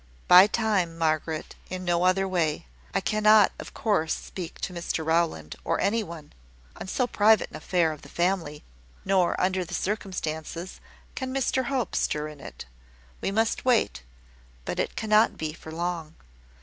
"By time, Margaret; in no other way. I cannot, of course, speak to Mr Rowland, or any one, on so private an affair of the family; nor, under the circumstances, can Mr Hope stir in it. We must wait; but it cannot be for long.